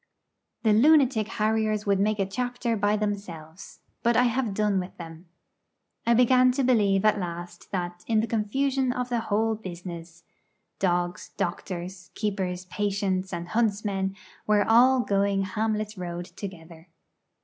The lunatic harriers would make a chapter by themselves; but I have done with them. I began to believe at last that, in the confusion of the whole business, dogs, doctors, keepers, patients, and huntsmen were all going Hamlet's road together.